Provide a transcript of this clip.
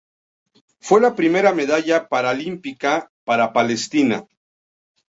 Fue la primera medalla paralímpica para Palestina.